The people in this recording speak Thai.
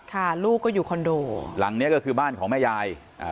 ลูกก็อยู่คอนโดหลังเนี้ยก็คือบ้านของแม่ยายอ่า